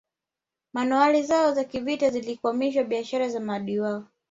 Manowari zao za kivita zilikwamisha biashara za maadui wao